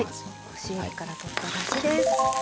干しえびからとっただしです。